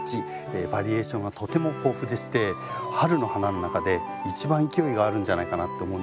バリエーションがとても豊富でして春の花の中で一番勢いがあるんじゃないかなって思うんですよね。